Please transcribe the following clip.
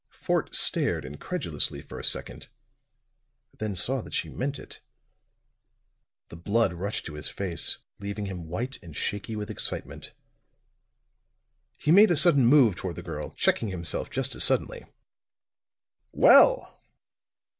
Fort stared incredulously for a second, then saw that she meant it. The blood rushed to his face, leaving him white and shaky with excitement. He made a sudden move toward the girl, checking himself just as suddenly. "Well!"